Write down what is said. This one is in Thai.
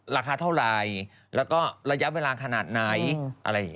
ราคาเท่าไหร่แล้วก็ระยะเวลาขนาดไหน